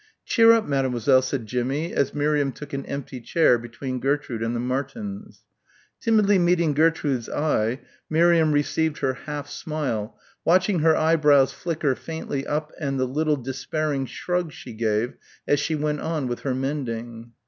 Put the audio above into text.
"Cheer up, Mademoiselle," said Jimmie as Miriam took an empty chair between Gertrude and the Martins. Timidly meeting Gertrude's eye Miriam received her half smile, watched her eyebrows flicker faintly up and the little despairing shrug she gave as she went on with her mending.